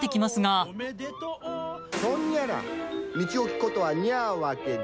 「そんにゃら道を聞くことはにゃあわけだ」